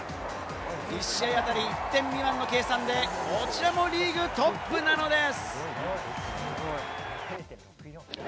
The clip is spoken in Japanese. １試合あたり１点未満の計算で、こちらもリーグトップなのです！